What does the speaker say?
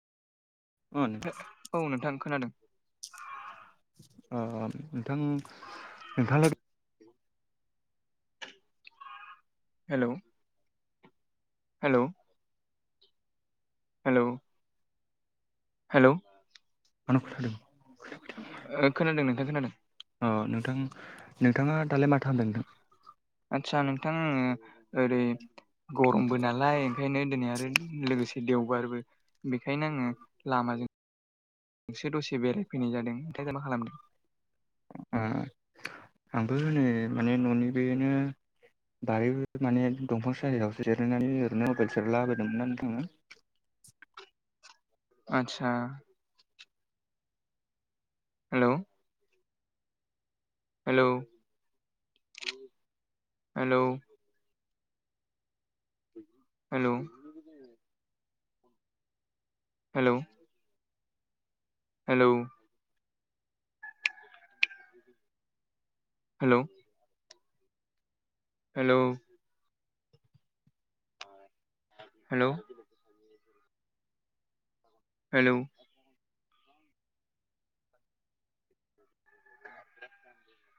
अ नोंथां औ नोंथां खोनादों अ अ नोंथां नोंथांनो हेल' हेल' हेलौ हेल' आंनाव खोनादों ओ खोनादों नोंथां खोनादों अ नोंथां नोंथाङा दालाय माथो खालामदों नोंथां आदसा नोंथां ओ ओरै गरमबो नालाय ओंखायनो दिनै आरो लोगोसे देवबारबो बेखायनो आङो लामाजों नोंसो दसे बेरायफैनाय जादों ओमफ्राय दा मा खालामदों आ आंबो नै माने न'नि बेनो बारिबो माने दंफांसालियाव जिरायनानै ओरैनो मबाइल सेरला लाबायदोंमोन नोंथाङा आतसा hello hello hello hello hello hello hello hello hello hello